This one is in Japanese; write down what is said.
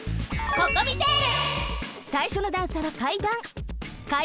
ココミテール！